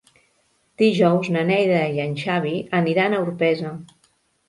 Dijous na Neida i en Xavi aniran a Orpesa.